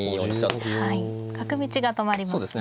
角道が止まりますね。